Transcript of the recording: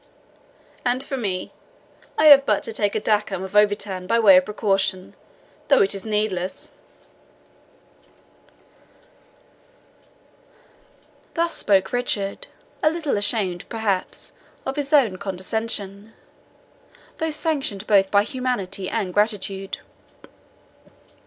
And for me, I have but to take a drachm of orvietan by way of precaution, though it is needless." Thus spoke Richard, a little ashamed, perhaps, of his own condescension, though sanctioned both by humanity and gratitude.